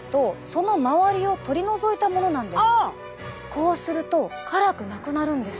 こうすると辛くなくなるんです。